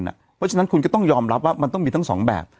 เพราะฉะนั้นคุณก็ต้องยอมรับว่ามันต้องมีทั้งสองแบบ